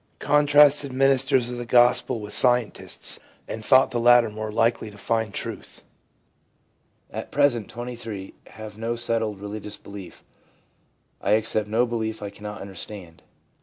Contrasted ministers of the Gospel with scientists, and thought the latter more likely to find truth. At present (23) have no settled religious belief. I accept no belief I cannot understand/ F.